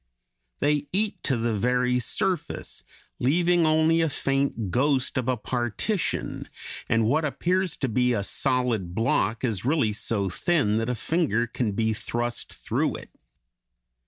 They eat to the very surface, leaving only a faint ghost of a partition, and what appears to be a solid block is really so thin that a finger can be thrust through it.